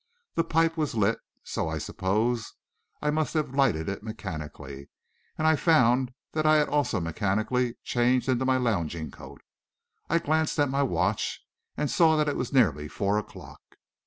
The pipe was lit, so I suppose I must have lighted it mechanically, and I found that I had also mechanically changed into my lounging coat. I glanced at my watch and saw that it was nearly four o'clock.